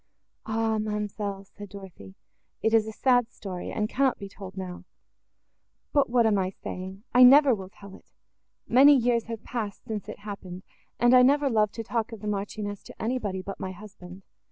"Ah, ma'amselle!" said Dorothée, "it is a sad story, and cannot be told now: but what am I saying? I never will tell it. Many years have passed, since it happened; and I never loved to talk of the Marchioness to anybody, but my husband.